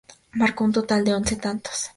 Marcó un total de once tantos.